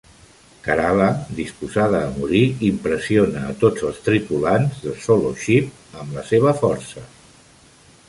Karala disposada a morir impressiona a tots els tripulants de Solo Ship amb la seva força.